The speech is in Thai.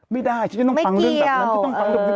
ไม่ได้ฉันก็ต้องฟังเรื่องแบบนั้นฉันก็ต้องฟังเรื่องแบบนั้น